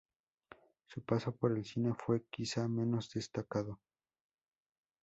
Su paso por el cine fue quizá menos destacado.